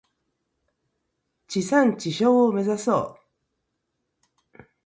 地産地消を目指そう。